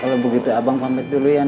kalau begitu abang pamit dulu ya neng